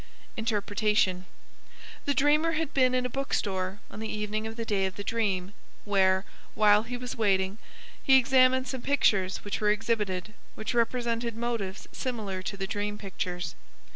Interpretation. The dreamer had been in a book store on the evening of the day of the dream, where, while he was waiting, he examined some pictures which were exhibited, which represented motives similar to the dream pictures.